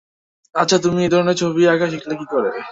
আচ্ছা, তুমি এ ধরনের ছবি আঁকা শিখলে কী করে?